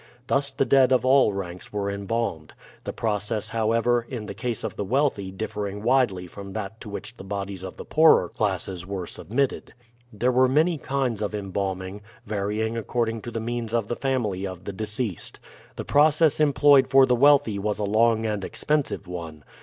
Thus the dead of all ranks were embalmed; the process, however, in the case of the wealthy differing widely from that to which the bodies of the poorer classes were submitted. There were many kinds of embalming, varying according to the means of the family of the deceased. The process employed for the wealthy was a long and expensive one.